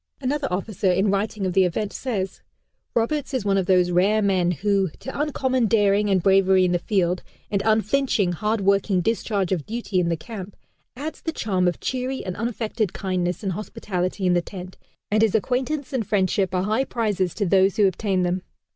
Another officer in writing of the event says: "Roberts is one of those rare men who, to uncommon daring and bravery in the field, and unflinching, hard working discharge of duty in the camp, adds the charm of cheery and unaffected kindness and hospitality in the tent, and his acquaintance and friendship are high prizes to those who obtain them."